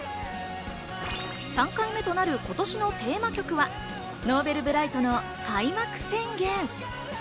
３回目となる今年のテーマ曲は、Ｎｏｖｅｌｂｒｉｇｈｔの『開幕宣言』。